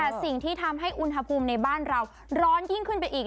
แต่สิ่งที่ทำให้อุณหภูมิในบ้านเราร้อนยิ่งขึ้นไปอีก